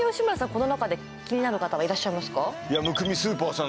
この中で気になる方はいらっしゃいますか椋美スーパーさん